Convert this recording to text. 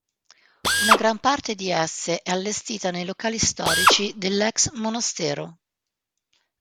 Una gran parte di esse è allestita nei locali storici dell'ex monastero.